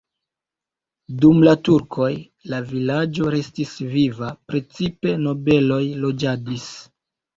Dum la turkoj la vilaĝo restis viva, precipe nobeloj loĝadis.